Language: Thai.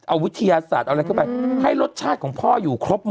เอาวิทยาศาสตร์เอาอะไรเข้าไปให้รสชาติของพ่ออยู่ครบหมด